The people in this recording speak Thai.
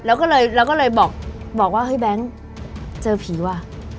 เออแล้วก็เลยบอกว่าเฮ้ยแบงค์เจอผีว่ะ